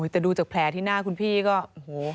แต่ดูจากแผลที่หน้าคุณพี่ก็โอ้โห